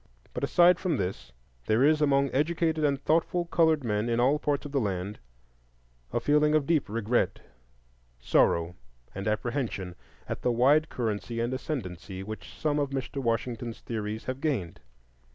But aside from this, there is among educated and thoughtful colored men in all parts of the land a feeling of deep regret, sorrow, and apprehension at the wide currency and ascendancy which some of Mr. Washington's theories have gained.